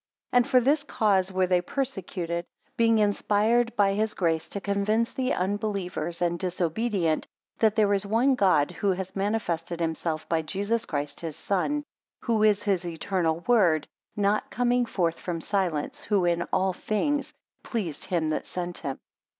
2 And for this cause were they persecuted, being inspired by his grace to convince the unbelievers and disobedient that there is one God who has manifested himself by Jesus Christ his Son; who is his eternal word, not coming forth from silence; who in all things pleased him that sent him.